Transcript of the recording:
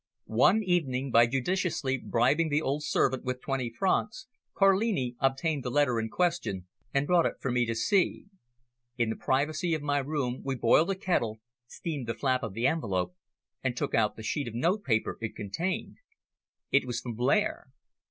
One evening by judiciously bribing the old servant with twenty francs, Carlini obtained the letter in question, and brought it for me to see. In the privacy of my room we boiled a kettle, steamed the flap of the envelope, and took out the sheet of notepaper it contained. It was from Blair.